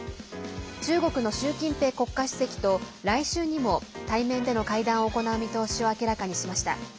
中国の習近平国家主席と来週にも対面での会談を行う見通しを明らかにしました。